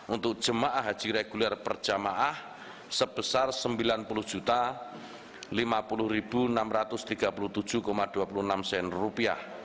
untuk jemaah haji reguler per jemaah sebesar rp sembilan puluh lima puluh enam ratus tiga puluh tujuh dua puluh enam